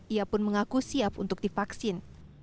ia pun mengaku siap untuk divaksin